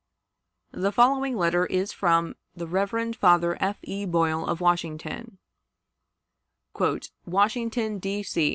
The following letter is from the Rev. Father F. E. Boyle, of Washington: "WASHINGTON, D. C.